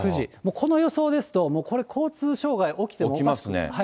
この予想ですと、もうこれ、交通障害起きてもおかしくない。